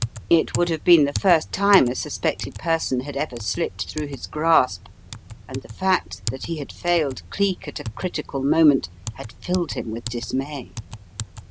It would have been the first time a suspected person had ever slipped through his grasp, and the fact that he had failed Cleek at a critical moment had filled him with dismay.